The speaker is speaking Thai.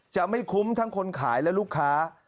จะไม่คุ้มทั้งคนขายและลูกค้า